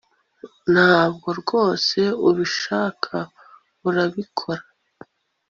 Ntabwo rwose ubishaka urabikora